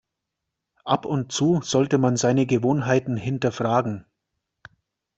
Ab und zu sollte man seine Gewohnheiten hinterfragen.